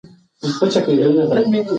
ماشوم غواړي چې له انا سره په دغه ځای کې وي.